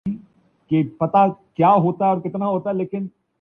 کام فورا شروع کرتا ہوں